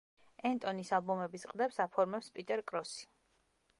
ენტონის ალბომების ყდებს აფორმებს პიტერ კროსი.